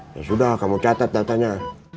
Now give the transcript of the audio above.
ya sudah kamu catat datanya